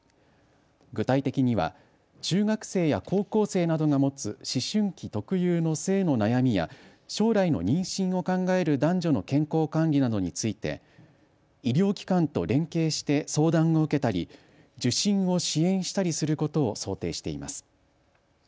具体的には中学生や高校生などが持つ思春期特有の性の悩みや将来の妊娠を考える男女の健康管理などについて医療機関と連携して相談を受けたり受診を支援したりすることを想定しています。